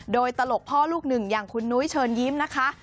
โดยตลกพ่อลูกหนึ่งอย่างคุณนุ้ยเชิญยิ้มนะคะ